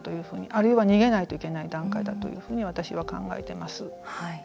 あるいは逃げないといけない段階だと私は考えています。